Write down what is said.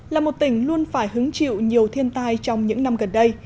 là một tỉnh luôn phải hứng chịu nhiều thiên tai trong những năm gần đây